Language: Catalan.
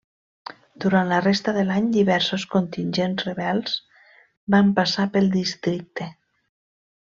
Durant la resta de l'any diversos contingents rebels van passar pel districte.